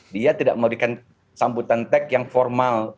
dia tidak memberikan sambutan tek yang formal